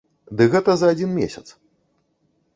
Ды гэта за адзін месяц.